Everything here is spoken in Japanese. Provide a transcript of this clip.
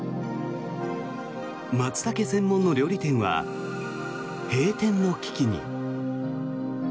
マツタケ専門の料理店は閉店の危機に。